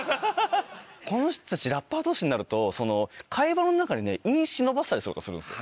この人たちラッパー同士になると会話の中にね韻忍ばせたりしようとするんですよ。